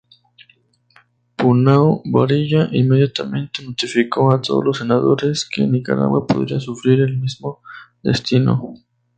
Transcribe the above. Bunau-Varilla inmediatamente notificó a todos los senadores que Nicaragua podría sufrir el mismo destino.